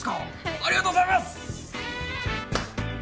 ありがとうございます！